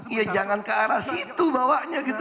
ya jangan ke arah situ bawanya gitu